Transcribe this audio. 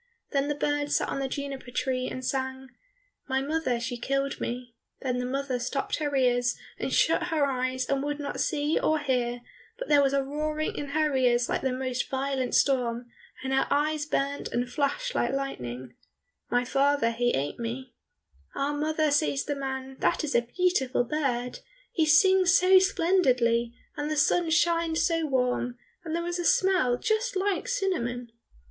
Then the bird sat on the juniper tree, and sang, "My mother she killed me," Then the mother stopped her ears, and shut her eyes, and would not see or hear, but there was a roaring in her ears like the most violent storm, and her eyes burnt and flashed like lightning, "My father he ate me," "Ah, mother," says the man, "that is a beautiful bird! He sings so splendidly, and the sun shines so warm, and there is a smell just like cinnamon."